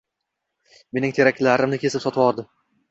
Mening teraklarimni kesib sotvordi.